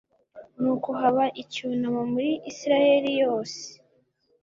nuko haba icyunamo muri israheli yose